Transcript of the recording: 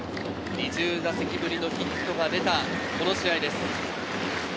２０打席ぶりのヒットが出た、この試合です。